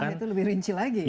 wah itu lebih rinci lagi ya